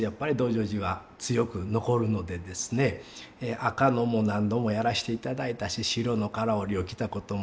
紅のも何度もやらしていただいたし白の唐織を着たことも。